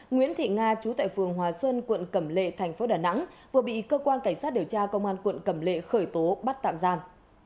nguyễn thị nga chú tại phường hòa xuân quận cẩm lệ thành phố đà nẵng vừa bị cơ quan cảnh sát điều tra công an quận cẩm lệ khởi tố bắt tạm giam